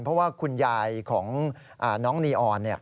เพราะว่าคุณยายของน้องนีออน